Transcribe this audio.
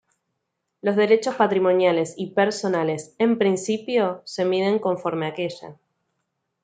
Los derechos patrimoniales y personales, en principio, se miden conforme aquella.